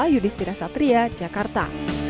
yudhistira satria jakarta